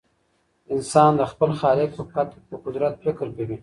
انسان د خپل خالق په قدرت فکر کوي.